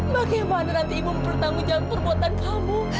bagaimana nanti ibu mempertanggung jawab perbuatan kamu